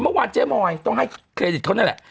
เมื่อวานเจ๊มอยต้องให้เครดิตเขานั่นแหละ